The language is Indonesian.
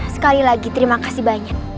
sekali lagi terima kasih banyak